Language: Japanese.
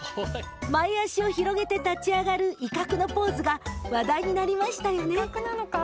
前足を広げて立ち上がる威嚇のポーズが話題になりましたよね。